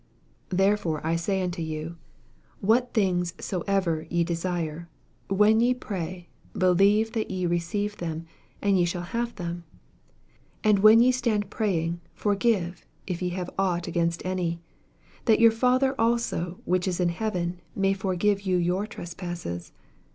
24 Therefore I say unto you, What things soever ye desire, when ye pray, believe that ye receive them, and ye shall have them. 25 And when ye titand praying, forgive, if ye have ought asainstany that your Father also which is in heaven may forgive you your tres passes.